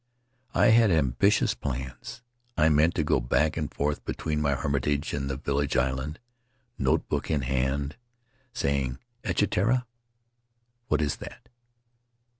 I had ambitious plans. I meant to go back and forth between my hermitage and the village island, notebook in hand, saying, "Eaha tera?" ("What is that?")